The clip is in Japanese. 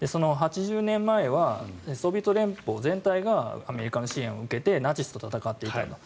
８０年前はソビエト連邦全体がアメリカの支援を受けてナチスと戦っていたんだと。